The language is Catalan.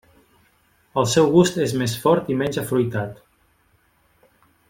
El seu gust és més fort i menys afruitat.